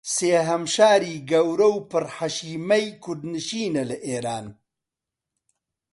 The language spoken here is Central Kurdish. سێھەم شاری گەورە و پر حەشیمەی کوردنشینە لە ئیران